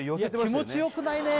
いや気持ちよくないね